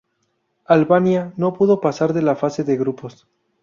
Albania no pudo pasar de la fase de grupos.